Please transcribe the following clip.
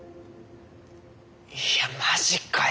いやマジかよ